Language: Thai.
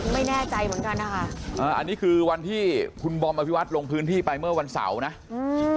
ไม่แน่ใจเหมือนกันนะคะอ่าอันนี้คือวันที่คุณบอมอภิวัตรลงพื้นที่ไปเมื่อวันเสาร์นะอืม